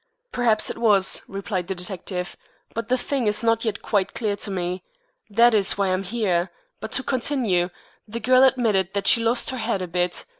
"Perhaps it was," replied the detective, "but the thing is not yet quite clear to me. That is why I am here. But to continue. The girl admitted that she lost her head a bit.